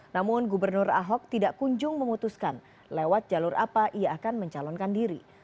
namun gubernur ahok tidak kunjung memutuskan lewat jalur apa ia akan mencalonkan diri